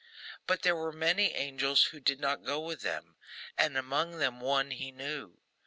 But, there were many angels who did not go with them, and among them one he knew.